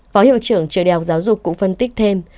phó hiệu trưởng trời đèo giáo dục cũng phân tích thêm